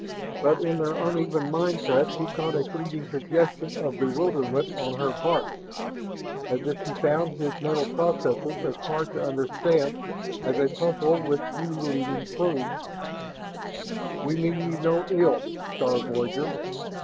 But in their uneven mind touch he caught a fleeting suggestion of bewilderment on her part, as if she found his mental processes as hard to understand as a puzzle with few leading clues. "We mean you no ill, star voyager.